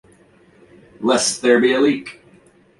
Lest there be a leak!